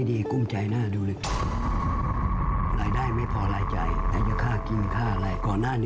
ถ้าพูดจริงแล้วนะมันเป็นผีการพนัน